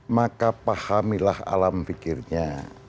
maka pahamilah alam pikirnya